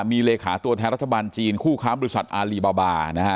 มีเลขาตัวแทนรัฐบาลจีนคู่ค้าบริษัทอารีบาบาบานะฮะ